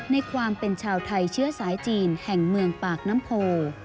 ในความเป็นชาวไทยเชื้อสายจีนแห่งเมืองปากน้ำโพ